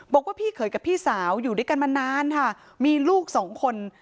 บอกว่าพี่เขยกับพี่สาวอยู่ด้วยกันมานานค่ะมีลูกสองคน